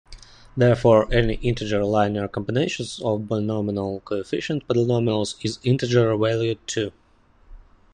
Therefore, any integer linear combination of binomial coefficient polynomials is integer-valued too.